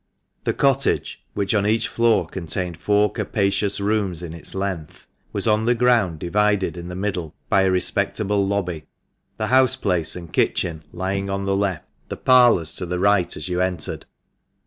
The cottage, which on each floor contained four capacious rooms in its length, was on the ground divided in the middle by a respectable lobby — the house place and kitchen lying on the left, the parlours to the right as you entered.